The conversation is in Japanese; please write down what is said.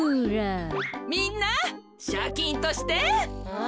みんなシャキンとして。